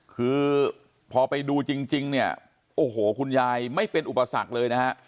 คือพอไปดูจริงแม่งคุณยายไม่เป็นอุปสรรคเลยนะ